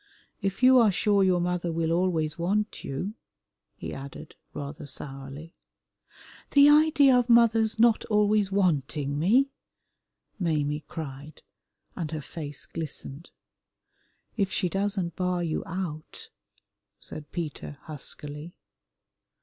"If you are sure your mother will always want you," he added rather sourly. "The idea of mother's not always wanting me!" Maimie cried, and her face glistened. "If she doesn't bar you out," said Peter huskily.